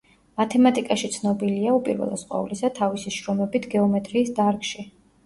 მათემატიკაში ცნობილია, უპირველეს ყოვლისა, თავისი შრომებით გეომეტრიის დარგში.